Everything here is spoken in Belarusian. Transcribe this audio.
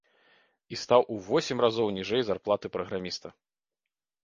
І стаў у восем разоў ніжэй зарплаты праграміста!